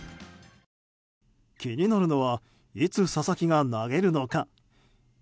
気になるのはいつ佐々木が投げるのか。